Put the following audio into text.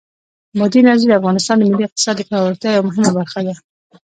بادي انرژي د افغانستان د ملي اقتصاد د پیاوړتیا یوه مهمه برخه ده.